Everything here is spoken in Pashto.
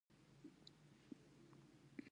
د غور شاهمشه پل د نړۍ پخوانی معلق پل دی